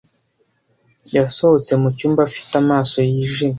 Yasohotse mucyumba afite amaso yijimye.